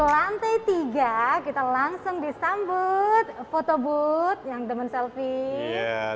lantai tiga kita langsung disambut fotobooth yang demen selfie